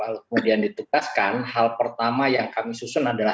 kemudian ditukaskan hal pertama yang kami susun adalah strateginya